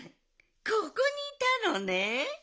ここにいたのね。